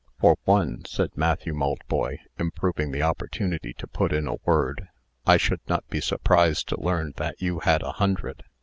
"For one," said Matthew Maltboy, improving the opportunity to put in a word, "I should not be surprised to learn that you had a hundred."